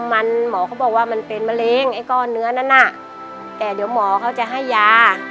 มันหมอเขาบอกว่ามันเป็นมะเร็งไอ้ก้อนเนื้อนั้นน่ะแต่เดี๋ยวหมอเขาจะให้ยา